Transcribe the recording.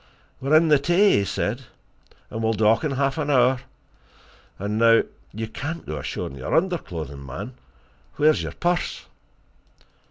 "We're in the Tay," he said, "and we'll dock in half an hour. And now you can't go ashore in your underclothing, man! And where's your purse?"